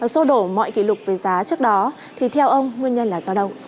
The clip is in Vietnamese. sô đổ mọi kỷ lục về giá trước đó thì theo ông nguyên nhân là do đâu